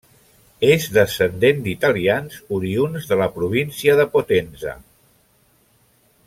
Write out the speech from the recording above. És descendent d'italians, oriünds de la província de Potenza.